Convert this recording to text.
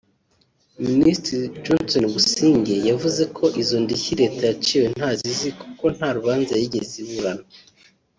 Minisitiri Johnston Busingye yavuze ko izo ndishyi leta yaciwe ntazo izi kuko nta rubanza yigeze iburana